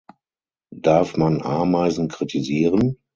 Darf man Ameisen kritisieren?